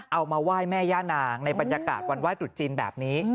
เอามาไหว้แม่ย่านางในบรรยากาศวันไหว้ตรุษจีนแบบนี้